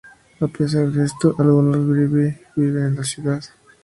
A pesar de esto, algunos Bribri viven en la ciudad.